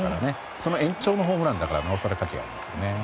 その延長のホームランだからなおさら価値がありますよね。